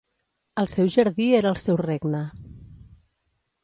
El seu jardí era el seu regne.